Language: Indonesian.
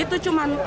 itu cuma uang